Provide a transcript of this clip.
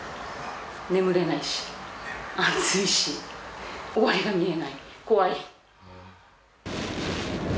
眠れないし、暑いし、終わりが見えない、怖い。